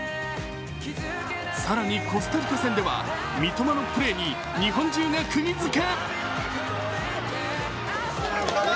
更にコスタリカ戦では三笘のプレーに日本中がクギづけ。